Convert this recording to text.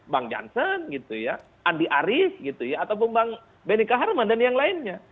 bang jansen gitu ya andi arief gitu ya ataupun bang benny kaharman dan yang lainnya